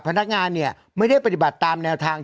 พนักงานเนี่ยไม่ได้ปฏิบัติตามแนวทาง